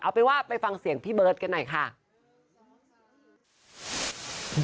เอาเป็นว่าไปฟังเสียงพี่เบิร์ตกันหน่อยค่ะ